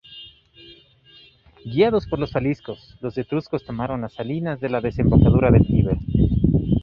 Guiados por los faliscos, los etruscos tomaron las Salinas de la desembocadura del Tíber.